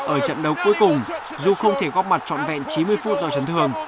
ở trận đấu cuối cùng dù không thể góp mặt trọn vẹn chín mươi phút do trấn thường